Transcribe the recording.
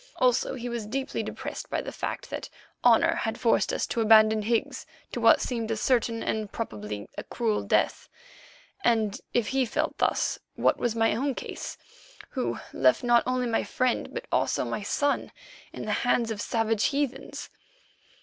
Also he was deeply depressed by the fact that honour had forced us to abandon Higgs to what seemed a certain and probably a cruel death; and if he felt thus, what was my own case, who left not only my friend, but also my son, in the hands of savage heathens?